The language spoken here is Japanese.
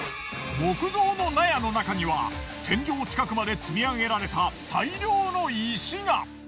木造の納屋の中には天井近くまで積み上げられた大量の石が。